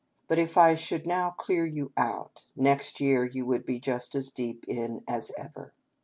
But if I should now clear you out, next year you would be just as deep in as ever.